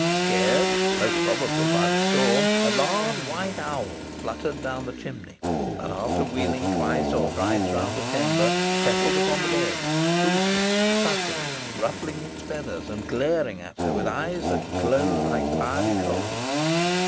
Scared most probably by the storm, a large white owl fluttered down the chimney, and after wheeling twice or thrice round the chamber, settled upon the bed, hooting, puffing, ruffling its feathers, and glaring at her with eyes that glowed like fiery coals.